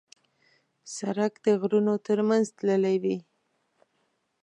سړک د غرونو تر منځ تللی وي.